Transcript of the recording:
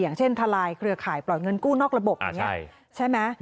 อย่างเช่นทลายเครือข่ายปล่อยเงินกู้นอกระบบอย่างนี้ใช่ไหม